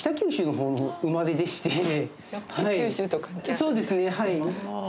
そうですねはい。